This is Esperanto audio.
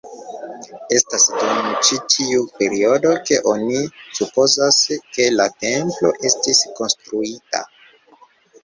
Estas dum ĉi tiu periodo, ke oni supozas, ke la templo estis konstruita.